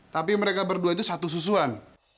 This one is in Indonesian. tapi mereka berdua itu satu susuan